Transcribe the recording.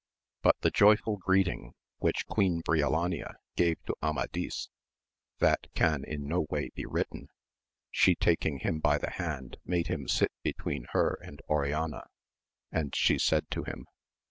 But the joyful greeting which Queen Briolania gave to Amadis, that can in no way be written ; she taking him by the hand made him sit between her and Oriana, and she said to him.